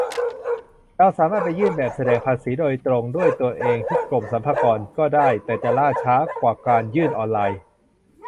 เราสามารถไปยื่นแบบแสดงภาษีโดยตรงด้วยตัวเองที่กรมสรรพากรก็ได้ แต่อาจจะล่าช้ากว่าการยื่นออนไลน์